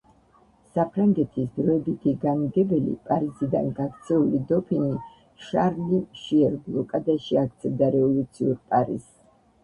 საფრანგეთის დროებითი განმგებელი პარიზიდან გაქცეული დოფინი შარლი მშიერ ბლოკადაში აქცევდა რევოლუციურ პარიზს.